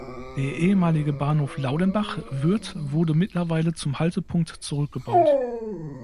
Der ehemalige Bahnhof Laudenbach (Württ) wurde mittlerweile zum Haltepunkt zurückgebaut.